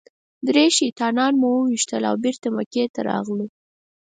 درې شیطانان مو وويشتل او بېرته مکې ته راغلو.